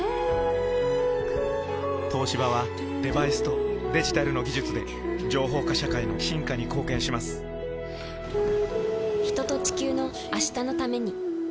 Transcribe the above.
東芝はデバイスとデジタルの技術で情報化社会の進化に貢献します人と、地球の、明日のために。